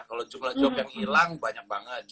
kalau jumlah jog yang hilang banyak banget